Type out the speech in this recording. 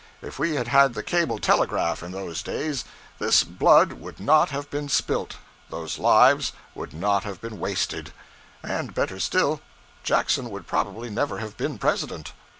If we had had the cable telegraph in those days, this blood would not have been spilt, those lives would not have been wasted; and better still, Jackson would probably never have been president.